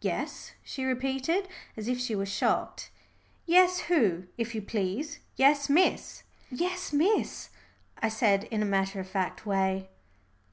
"Yes," she repeated, as if she was very shocked. "Yes who, if you please? Yes, Miss ?" "Yes, Miss," I said in a matter of fact way.